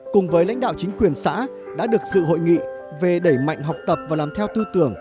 cùng với lãnh đạo chính quyền xã đã được sự hội nghị về đẩy mạnh học tập và làm theo tư tưởng